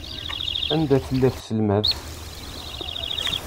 Anda tella tselmadt?